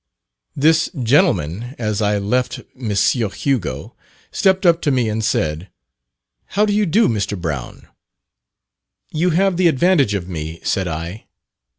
This gentleman, as I left M. Hugo, stepped up to me and said, "How do you do, Mr. Brown?" "You have the advantage of me," said I.